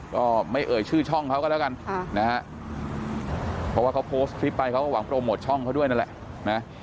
ก็ไม่เอ่ยชื่อช่องเขาก็แล้วกันนะฮะเพราะว่าเขาโพสต์คลิปไปเขาก็หวังโปรโมทช่องเขาด้วยนั่นแหละนะ